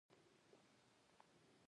خلک باید خپل اولادونه و زده کړو ته و هڅوي.